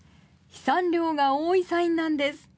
飛散量が多いサインなんです。